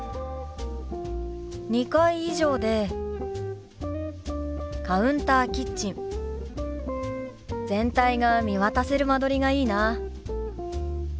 ２階以上でカウンターキッチン全体が見渡せる間取りがいいな。